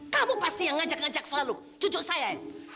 kamu pasti yang ngajak ngajak selalu cucuk saya ey